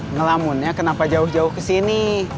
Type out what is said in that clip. ngelamunnya kenapa jauh jauh kesini